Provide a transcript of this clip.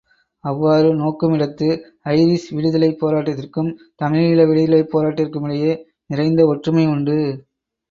அவ்வாறு நோக்குமிடத்து, ஐரிஷ் விடுதலை போராட்டத்திற்கும் தமிழீழ விடுதலைப் போராட்டத்திற்குமிடையே நிறைந்த ஒற்றுமை உண்டு.